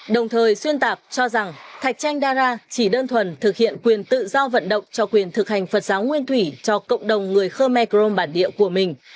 đồng thời xuyên tạc cho rằng thạch chanh dara chỉ đơn thuần thực hiện quyền tự do vận động cho quyền thực hành phật giáo nguyên thủy cho cộng đồng người khơ me crom bản địa của mình